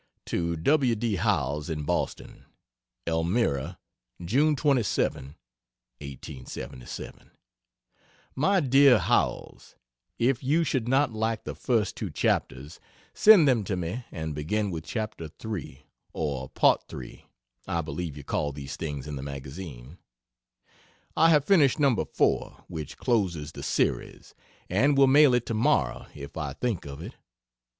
To W. D. Howells, in Boston: ELMIRA, June 27, 1877. MY DEAR HOWELLS, If you should not like the first 2 chapters, send them to me and begin with Chapter 3 or Part 3, I believe you call these things in the magazine. I have finished No. 4., which closes the series, and will mail it tomorrow if I think of it.